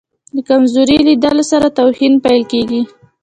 د کمزوري لیدلو سره توهین پیل کېږي.